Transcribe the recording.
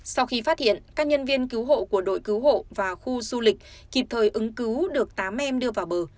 sau khi phát hiện các nhân viên cứu hộ của đội cứu hộ và khu du lịch kịp thời ứng cứu được tám em đưa vào bờ